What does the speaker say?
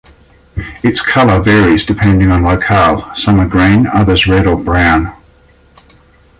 Its color varies depending on locale: some are green, others red or brown.